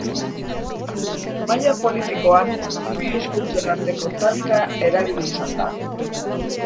Maila politikoan bi hizkuntzen arteko talka erabili izan da.